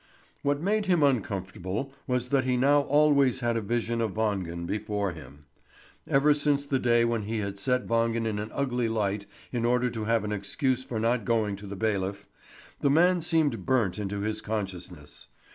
What made him uncomfortable was that he now always had a vision of Wangen before him. Ever since the day when he had set Wangen in an ugly light in order to have an excuse for not going to the bailiff, the man seemed burnt into his consciousness.